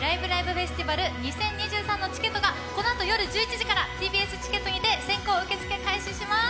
フェスティバル２０２３」のチケットがこのあと夜１１時からＴＢＳチケットにて先行受付開始します。